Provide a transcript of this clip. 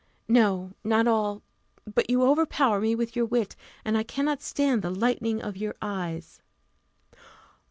"No, not all: but you overpower me with your wit; and I cannot stand the 'lightning of your eyes.